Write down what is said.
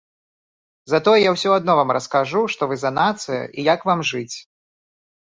Затое я ўсё адно вам раскажу, што вы за нацыя і як вам жыць.